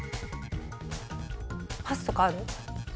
パスとかある？